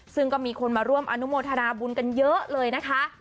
ซึ่งก็มีคนมาร่วมอนุโมทนาบุญกันเยอะเลยนะคะ